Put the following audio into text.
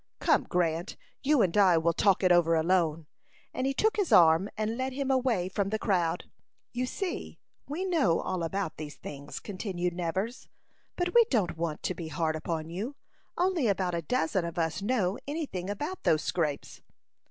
"Come, Grant, you and I will talk it over alone;" and he took his arm, and led him away from the crowd. "You see we know all about these things," continued Nevers, "but we don't want to be hard upon you. Only about a dozen of us know any thing about those scrapes."